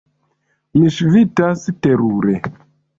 Mi ŝvitas terure.